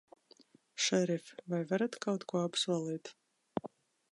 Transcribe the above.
Šerif, vai varat kaut ko apsolīt?